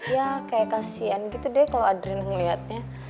ya kayak kasihan gitu deh kalau adriana ngeliatnya